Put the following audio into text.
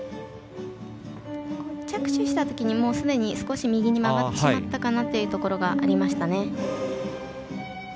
着手したときに少し右に曲がってしまったかなというところがありましたね。